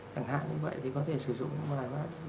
chẳng hạn như vậy thì có thể sử dụng bài vạn